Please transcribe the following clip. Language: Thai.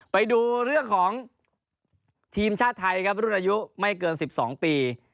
ไปดูเรื่องของทีมชาติไทยครับรุ่นอายุไม่เกิน๑๒ปี